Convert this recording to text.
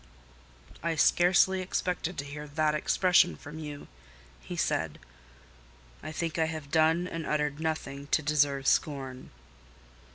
"I scarcely expected to hear that expression from you," he said: "I think I have done and uttered nothing to deserve scorn."